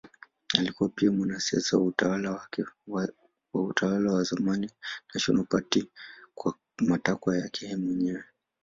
Alikuwa pia mwanasiasa wa utawala wa zamani National Party kwa matakwa yake mwenyewe.